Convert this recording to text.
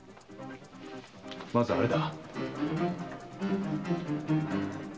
まずあれだ。